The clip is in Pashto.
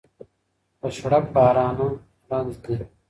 په شړپ بارانه رنځ دي